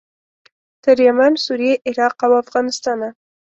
تر یمن، سوریې، عراق او افغانستانه.